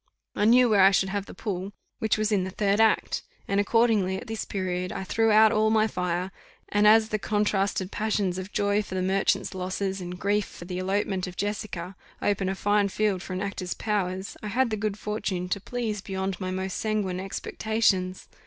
I knew where I should have the pull, which was in the third act, and accordingly at this period I threw out all my fire; and as the contrasted passions of joy for the merchant's losses, and grief for the elopement of Jessica, open a fine field for an actor's powers, I had the good fortune to please beyond my most sanguine expectations.